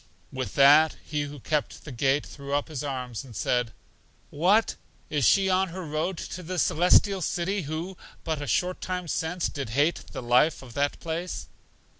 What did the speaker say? With that, He who kept the gate threw up His arms and said, What! is she on her road to The Celestial City who, but a short time since, did hate the life of that place?